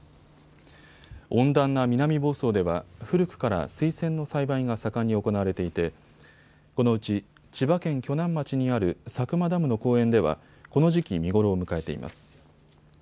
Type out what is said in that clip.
温暖な南房総では古くから水仙の栽培が盛んに行われていてこのうち千葉県鋸南町にある佐久間ダムの公園ではこの時期見頃を迎えています。